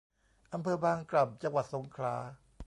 อำเภอบางกล่ำ จังหวัดสงขลา